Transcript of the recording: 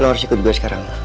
lo harus ikut gue sekarang